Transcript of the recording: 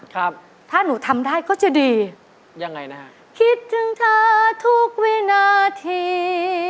ครับถ้าหนูทำได้ก็จะดียังไงนะฮะคิดถึงเธอทุกวินาที